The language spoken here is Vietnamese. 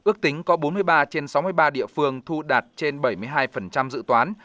ước tính có bốn mươi ba trên sáu mươi ba địa phương thu đạt trên bảy mươi hai dự toán